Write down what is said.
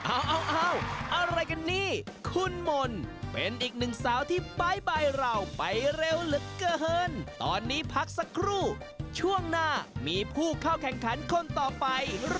เอาล่ะค่ะวันนี้ต้องขอบคุณสุดท้ายครับทุกคนค่ะ